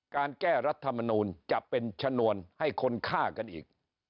การแก้รัฐมนูลจะเป็นชนวนให้คนฆ่ากันอีก